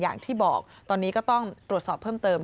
อย่างที่บอกตอนนี้ก็ต้องตรวจสอบเพิ่มเติม